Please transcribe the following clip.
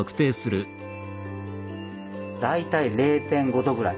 大体０．５度ぐらい。